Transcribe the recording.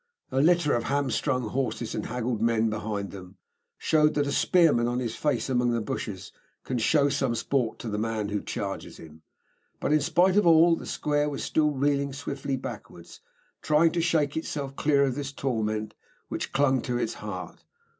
A litter of hamstrung horses, and haggled men behind them, showed that a spearman on his face among the bushes can show some sport to the man who charges him. But, in spite of all, the square was still reeling swiftly backwards, trying to shake itself clear of this torment which clung to its heart.